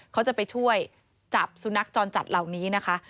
เขาจะไปช่วยจับสุนัขจรจัดเหล่านี้นะคะ